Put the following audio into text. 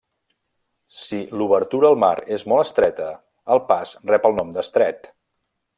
Si l'obertura al mar és molt estreta, el pas rep el nom d'estret.